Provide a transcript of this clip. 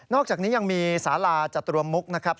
นอกจากนี้ยังมีศาลาจัตรวมมุกนะครับ